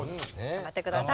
頑張ってください。